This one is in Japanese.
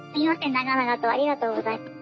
長々とありがとうございました。